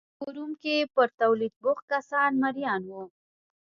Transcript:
په روم کې پر تولید بوخت کسان مریان وو